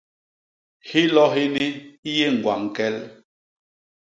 Hilo hini hi yé ñgwañ kel.